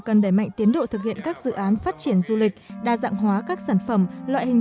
cần đẩy mạnh tiến độ thực hiện các dự án phát triển du lịch đa dạng hóa các sản phẩm loại hình